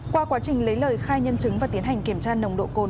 qua quá trình lấy lời khai nhân chứng và tiến hành kiểm tra nồng độ cồn